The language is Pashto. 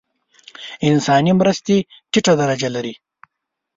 انساني مرستې ټیټه درجه لري.